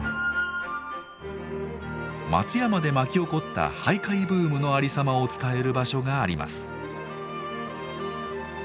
松山で巻き起こった俳諧ブームのありさまを伝える場所があります。